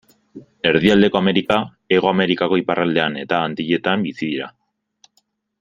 Erdialdeko Amerika, Hego Amerikako iparraldean eta Antilletan bizi dira.